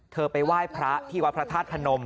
ไปไหว้พระที่วัดพระธาตุพนม